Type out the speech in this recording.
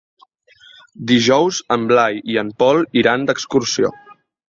Dijous en Blai i en Pol iran d'excursió.